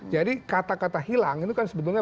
jadi kata kata hilang itu kan sebenarnya